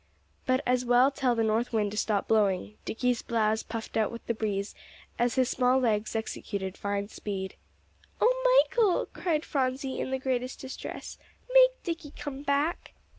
But as well tell the north wind to stop blowing. Dicky's blouse puffed out with the breeze, as his small legs executed fine speed. "Oh, Michael!" cried Phronsie in the greatest distress, "make Dicky come back."